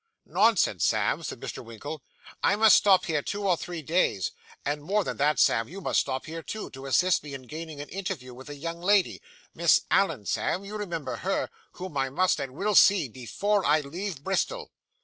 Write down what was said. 'Nonsense, Sam,' said Mr. Winkle, 'I must stop here two or three days; and more than that, Sam, you must stop here too, to assist me in gaining an interview with a young lady Miss Allen, Sam; you remember her whom I must and will see before I leave Bristol.